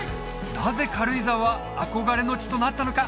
なぜ軽井沢は憧れの地となったのか？